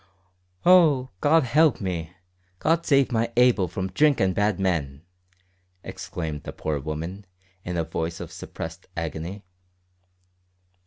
"Oh! God help me! God save my Abel from drink and bad men!" exclaimed the poor woman, in a voice of suppressed agony.